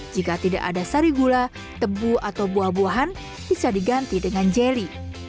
jika tidak ada sari gula tebu atau buah buahan bisa diganti dengan jelly